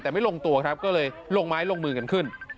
แต่ไม่ลงตัวครับก็เลยลงไม้ลงมือกันขึ้น